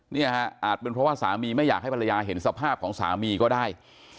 อาจเป็นเพราะว่าสามีไม่อยากให้ภรรยาเห็นสภาพของสามีก็ได้